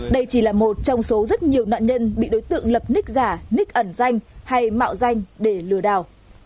đây chỉ là một trong số rất nhiều nạn nhân bị đối tượng lập nic giả ních ẩn danh hay mạo danh để lừa đảo